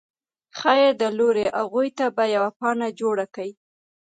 خير دی لورې اغوئ ته به يوه بانه جوړه کې.